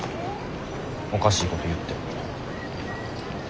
おかしいこと言って。